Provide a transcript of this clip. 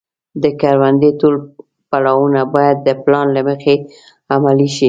د کروندې ټول پړاوونه باید د پلان له مخې عملي شي.